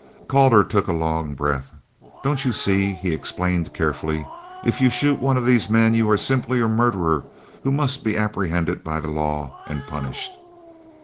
Calder took a long breath. "Don't you see," he explained carefully, "if you shoot one of these men you are simply a murderer who must be apprehended by the law and punished."